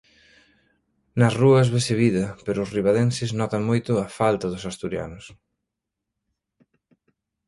Nas rúas vese vida, pero os ribadenses notan moito a falta dos asturianos.